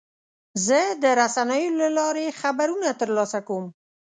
زه د رسنیو له لارې خبرونه ترلاسه کوم.